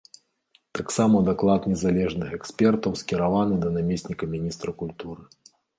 Таксама даклад незалежных экспертаў скіраваны да намесніка міністра культуры.